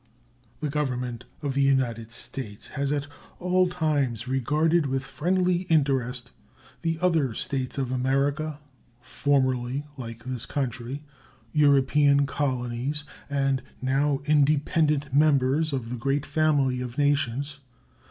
The Government of the United States has at all times regarded with friendly interest the other States of America, formerly, like this country, European colonies, and now independent members of the great family of nations.